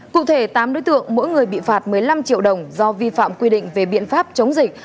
cụ thể tám đối tượng mỗi người bị phạt một mươi năm triệu đồng do vi phạm quy định về biện pháp chống dịch